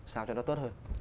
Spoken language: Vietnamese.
sao cho nó tốt hơn